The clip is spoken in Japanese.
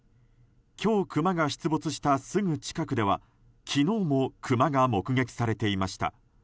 今日クマが出没したすぐ近くでは昨日もクマが目撃されていました。